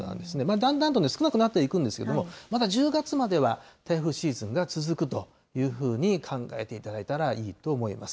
だんだんと少なくなっていくんですけれども、まだ１０月までは台風シーズンが続くというふうに考えていただいたらいいと思います。